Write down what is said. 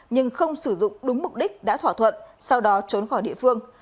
nhưng không sử dụng đúng mục đích đã thỏa thuận sau đó trốn khỏi địa phương